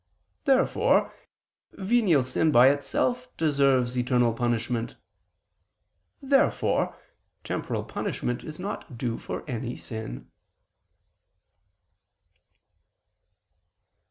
Therefore venial sin by itself deserves eternal punishment. Therefore temporal punishment is not due for any sin.